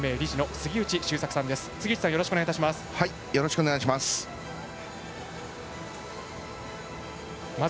杉内さん、よろしくお願いします。